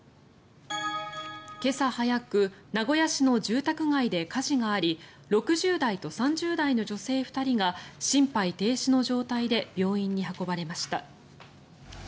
今朝早く、名古屋市の住宅街で火事があり６０代と３０代の女性２人が心肺停止の状態で病院に運ばれました。